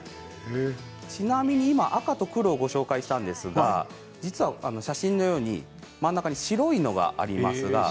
ちなみに赤と黒を紹介しましたが実は写真のように真ん中に白いのがあります。